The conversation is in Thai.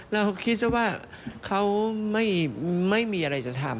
เราคิดซะว่าเขาไม่มีอะไรจะทำ